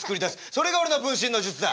それが俺の分身の術だ。